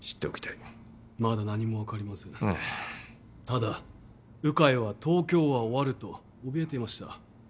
ただ鵜飼は「東京は終わる」とおびえていました。